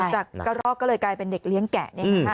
จากกระรอกก็เลยกลายเป็นเด็กเลี้ยงแกะ